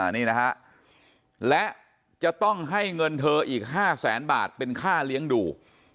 นี่นะฮะและจะต้องให้เงินเธออีก๕แสนบาทเป็นค่าเลี้ยงดู